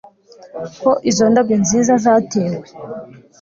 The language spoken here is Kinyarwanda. ko izo ndabyo nziza zatewe